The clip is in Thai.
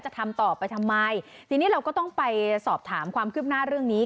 ทำต่อไปทำไมทีนี้เราก็ต้องไปสอบถามความคืบหน้าเรื่องนี้